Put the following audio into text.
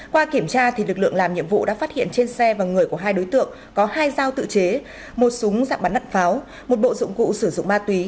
qua kiểm tra lực lượng làm nhiệm vụ đã phát hiện trên xe và người của hai đối tượng có hai dao tự chế một súng dạng bắn nặn pháo một bộ dụng cụ sử dụng ma túy